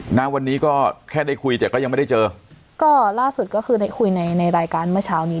หน้าวันนี้ก็แค่ได้คุยแต่ก็ยังไม่ได้เจอก็ล่าสุดก็คือได้คุยในในรายการเมื่อเช้านี้